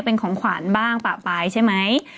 เป็นของขวัญบ้างปะปลายใช่ไหม